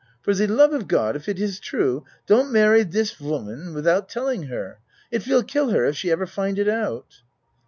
For de love of God if it is true don't marry dis woman without telling her it will kill her if she ever find it out.